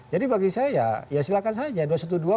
jadi bagi saya ya silahkan saja